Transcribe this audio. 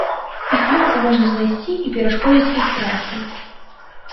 Іх лёгка можна знайсці і перашкодзіць іх працы.